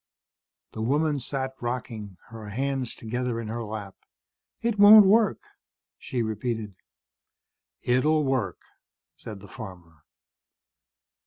The woman sat rocking, her hands together in her lap. "It won't work," she repeated. "It'll work," said the farmer.